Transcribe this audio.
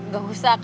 gak usah kak